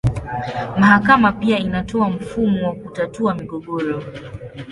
Mahakama pia inatoa mfumo wa kutatua migogoro.